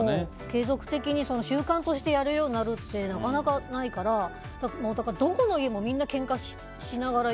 継続的に習慣としてやるようになるってなかなかないからどこの家も、みんなけんかしながら。